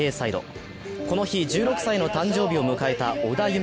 この日１６歳の誕生日を迎えた織田夢